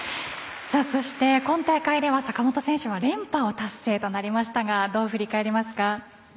そして今大会では、坂本選手は連覇を達成となりましたがどう振り返りますか？